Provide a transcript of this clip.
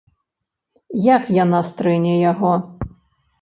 Як яна стрэне яго?